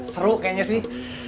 seru kayaknya sih